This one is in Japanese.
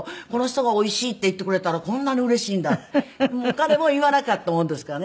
彼も言わなかったもんですからね。